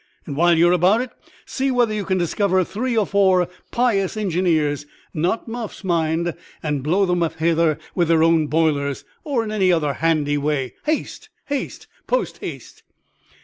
And while you are about it, see whether you can discover three or four pious engineers—not muffs, mind—and blow them up hither with their own boilers, or in any other handy way. Haste, haste, post haste!"